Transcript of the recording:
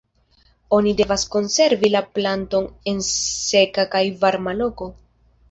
Oni devas konservi la planton en seka kaj varma loko.